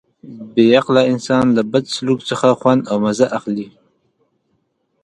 بې عقله انسان له بد سلوک څخه خوند او مزه اخلي.